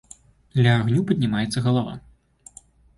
Ля агню паднімаецца галава.